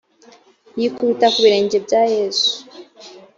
yikubita ku birenge bya yesu